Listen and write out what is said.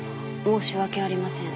「申し訳ありません。